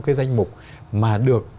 cái danh mục mà được